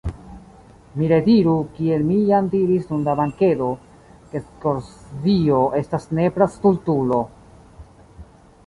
Mi rediru, kiel mi jam diris dum la bankedo, ke Skorzbio estas nepra stultulo.